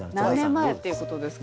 何年前っていうことですか？